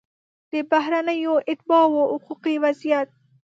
د بهرنیو اتباعو حقوقي وضعیت